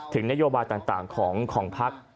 ถึงนโยบายต่างของพลักษณ์